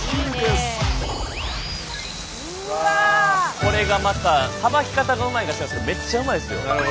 スタジオこれがまたさばき方がうまいのか知らないですけどめっちゃうまいんですよ。